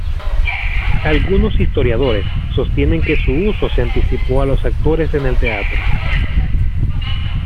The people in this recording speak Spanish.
Algunos historiadores sostienen que su uso se anticipó a los actores en el teatro.